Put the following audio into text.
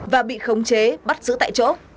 và bị khống chế bắt giữ tại chỗ